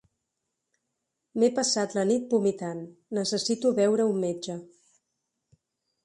M'he passat la nit vomitant, necessito veure un metge.